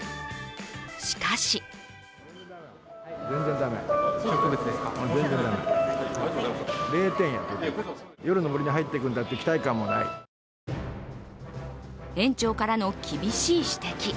しかし園長からの厳しい指摘。